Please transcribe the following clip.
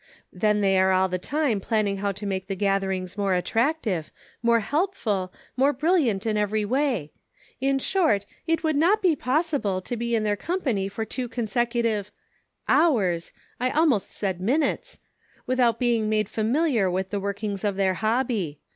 Then they are all the time planning how to make the gatherings more attractive, more help ful, more brilliant in every way ; in short, it would not be possible to be in their company for two consecutive — hours, I had almost said minutes, — without being made familiar with the workings of their hobby.